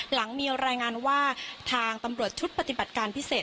หลังมีรายงานว่าทางตำรวจชุดปฏิบัติการพิเศษ